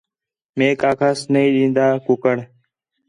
میک آکھاس نہیں ݙین٘دا کُکڑ